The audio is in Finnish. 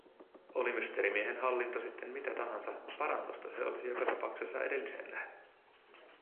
Oli Mysteerimiehen hallinto sitten mitä tahansa, parannusta se olisi joka tapauksessa edelliseen nähden.